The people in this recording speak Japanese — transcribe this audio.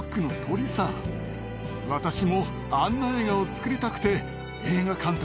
私もあんな映画を作りたくて。